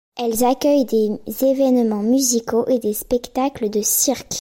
Elles accueillent des événements musicaux et des spectacles de cirque.